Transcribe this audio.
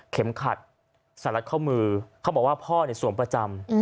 เข็มขัดสารรัสเข้ามือเขาบอกว่าพ่อสวมประจำ